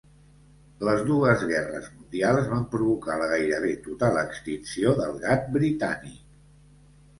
Les dues Guerres Mundials van provocar la gairebé total extinció del gat britànic.